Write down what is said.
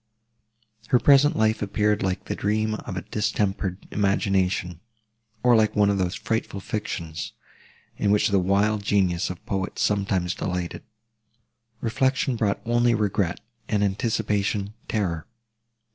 Her present life appeared like the dream of a distempered imagination, or like one of those frightful fictions, in which the wild genius of the poets sometimes delighted. Reflection brought only regret, and anticipation terror.